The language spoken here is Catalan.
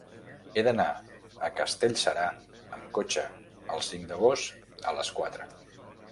He d'anar a Castellserà amb cotxe el cinc d'agost a les quatre.